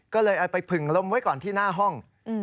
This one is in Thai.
ก็เลยเอาไปผึ่งลมไว้ก่อนที่หน้าห้อง